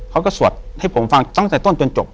สวดให้ผมฟังตั้งแต่ต้นจนจบ